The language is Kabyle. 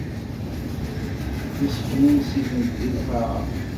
Issexnunes-itent di lqaεa.